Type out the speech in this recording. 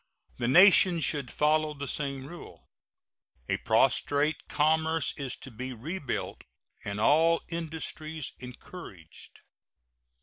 The nation should follow the same rule. A prostrate commerce is to be rebuilt and all industries encouraged.